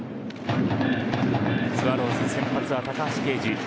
スワローズ先発は高橋奎二。